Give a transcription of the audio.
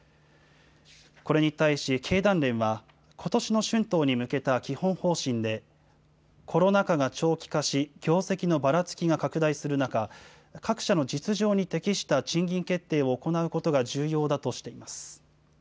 これに対し、経団連はことしの春闘に向けた基本方針で、コロナ禍が長期化し、業績のばらつきが拡大する中、各社の実情に適した賃金決定を行うことが重要だとしています。